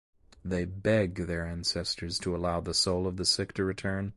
They beg their ancestors to allow the soul of the sick to return.